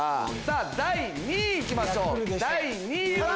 第２位行きましょう第２位は？